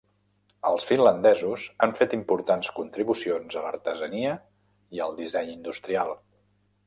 Els Finlandesos han fet importants contribucions a l'artesania i al disseny industrial.